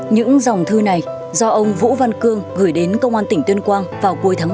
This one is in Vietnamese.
những dòng thư này do ông vũ văn cương gửi đến công an tỉnh tuyên quang vào cuối tháng một